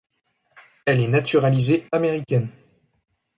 Elle est naturalisée américaine.